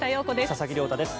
佐々木亮太です。